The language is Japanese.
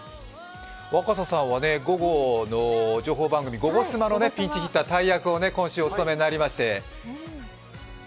若狭さんは午後の情報番組、「ゴゴスマ」のピンチヒッター大役を今週、お務めになりまして。